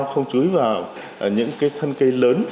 không chú ý vào những cái thân cây lớn